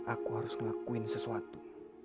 aku harus ngelakuin sesuatu